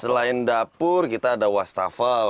selain dapur kita ada wastafel